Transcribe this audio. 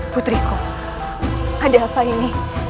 putriku ada apa ini